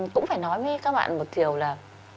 cũng phải nói với các bạn một điều là